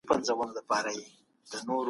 زه د خپلو کالیو په پاک ساتلو اخته یم.